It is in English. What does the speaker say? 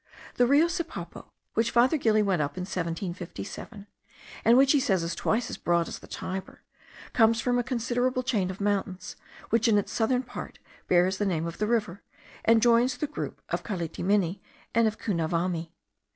The Rio Sipapo, which Father Gili went up in 1757, and which he says is twice as broad as the Tiber, comes from a considerable chain of mountains, which in its southern part bears the name of the river, and joins the group of Calitamini and of Cunavami.